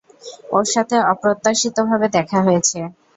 ওর সাথে অপ্রত্যাশিত ভাবে দেখা হয়েছে।